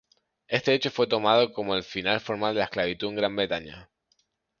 Este hecho fue tomado como el final formal de la esclavitud en Gran Bretaña.